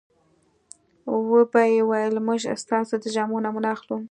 وبه یې ویل موږ ستاسو د جامو نمونه اخلو.